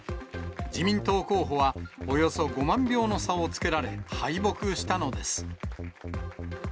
自民党候補はおよそ５万票の差をつけられ、敗北したのです。